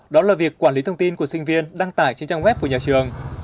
đó là việc quản lý thông tin của sinh viên đăng tải trên trang web của nhà trường